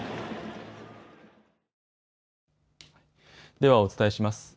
ではお伝えします。